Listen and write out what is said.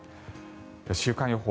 週間予報。